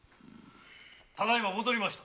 ただいま戻りました。